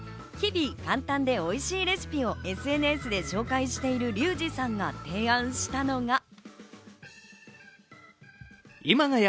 日々、簡単でおいしいレシピをＳＮＳで紹介しているリュウジさんが提案したのが。